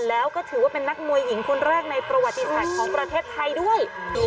แล้วก็ถือว่าเป็นนักมวยหญิงคนแรกในประวัติศาสตร์ของประเทศไทยด้วย